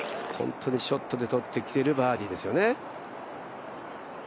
本当にショットでとってきてるバーディーですよね。